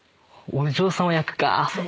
お嬢さま役か。